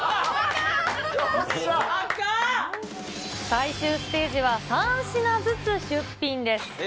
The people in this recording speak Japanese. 最終ステージは、３品ずつ出品です。